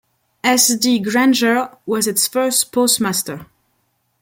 S. D. Granger was its first postmaster.